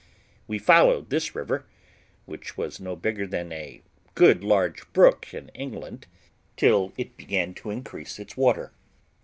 We followed this river, which was no bigger than a good large brook in England, till it began to increase its water.